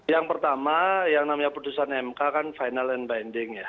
yang pertama yang namanya putusan mk kan final and binding ya